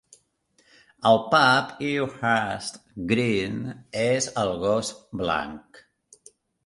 El pub a Ewhurst Green és "El gos blanc".